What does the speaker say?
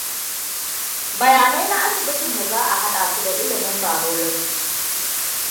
Bayanai na asibitin mu za a haɗa su da ilimin barology.